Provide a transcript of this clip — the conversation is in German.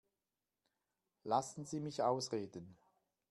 Lassen Sie mich ausreden.